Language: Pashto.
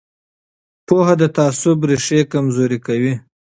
پوهه د تعصب ریښې کمزورې کوي